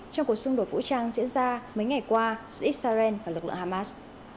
trong cuộc xung đột vũ trang diễn ra mấy ngày qua giữa israel và lực lượng hamas